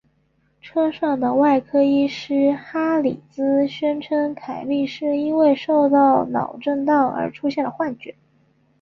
车上的外科医师哈里兹宣称凯莉是因为受到脑震荡而出现了幻觉。